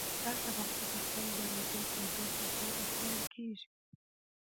دا طبقه په سل درجو تودوخه کې اچول کیږي